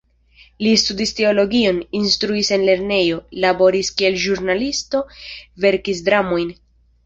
Li studis teologion, instruis en lernejoj, laboris kiel ĵurnalisto, verkis dramojn.